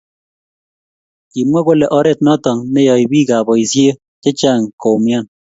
Kimwa kole oret noto ne yoe biikab boisie che chang koumian.